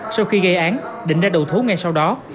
sau khi gây án định ra đầu thú ngay sau đó